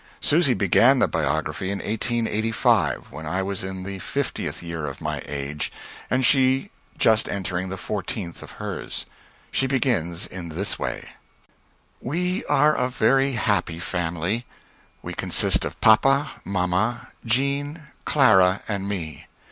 Susy began the biography in 1885, when I was in the fiftieth year of my age, and she just entering the fourteenth of hers. She begins in this way: We are a very happy family. We consist of Papa, Mamma, Jean, Clara and me.